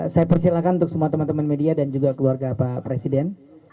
saya persilahkan untuk semua teman teman media dan juga keluarga pak presiden